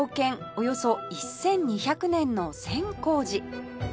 およそ１２００年の千光寺